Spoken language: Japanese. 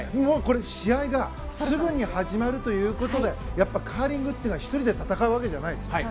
これ、試合がすぐに始まるということでカーリングというのは１人で戦うわけじゃないです。